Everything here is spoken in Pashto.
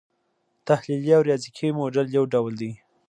تحلیلي او ریاضیکي موډل یو ډول دی.